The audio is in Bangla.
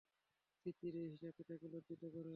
স্মৃতির এ হিসাবটি তাকে লজ্জিত করে।